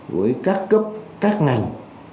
với các cấp các ngành